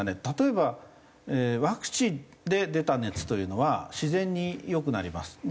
例えばワクチンで出た熱というのは自然に良くなります。